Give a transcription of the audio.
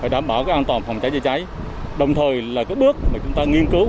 đảm bảo an toàn phòng cháy chữa cháy đồng thời là cái bước mà chúng ta nghiên cứu